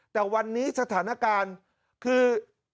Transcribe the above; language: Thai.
แต่วันนี้สถานการณ์คือ